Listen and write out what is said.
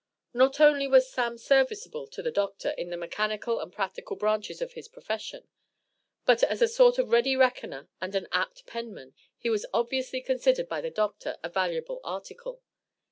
Not only was "Sam" serviceable to the doctor in the mechanical and practical branches of his profession, but as a sort of ready reckoner and an apt penman, he was obviously considered by the doctor, a valuable "article."